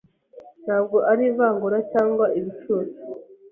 ntabwo ari ivangura cyangwa ibicucu